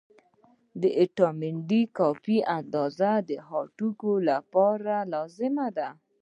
د ویټامین D کافي اندازه د هډوکو لپاره لازمي ده.